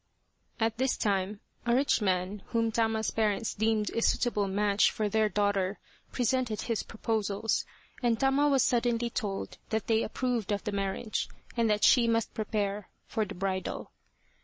At this time a rich man whom Tama's parents deemed a suitable match for their daughter presented his proposals, and Tama was suddenly told that they approved of the marriage and that she must prepare for the bridal.